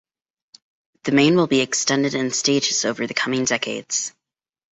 The main will be extended in stages over the coming decades.